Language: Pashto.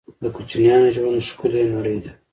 د کوچنیانو ژوند ښکلې نړۍ ده